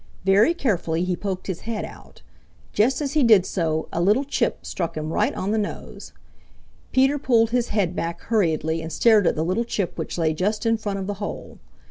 Very carefully he poked his head out. Just as he did so, a little chip struck him right on the nose. Peter pulled his head back hurriedly and stared at the little chip which lay just in front of the hole.